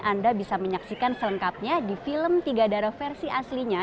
anda bisa menyaksikan selengkapnya di film tiga darah versi aslinya